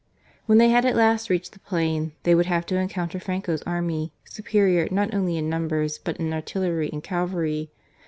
When they had at last reached the plain, they would have to encounter Franco's army, superior not only in numbers, but in artillery and cavalry.